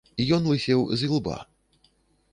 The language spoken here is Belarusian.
Ён лысеў з ілба.